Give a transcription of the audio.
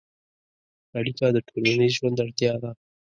اړیکه د ټولنیز ژوند اړتیا ده.